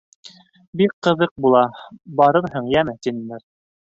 Бик ҡыҙыҡ була, барырһың, йәме, - тинеләр.